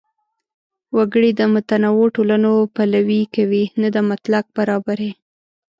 وګړي د متنوع ټولنو پلوي کوي، نه د مطلق برابرۍ.